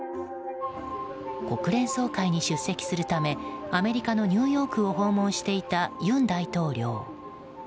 国連総会に出席するためアメリカのニューヨークを訪問していた尹大統領。